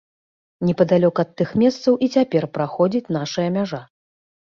Непадалёк ад тых месцаў і цяпер праходзіць нашая мяжа.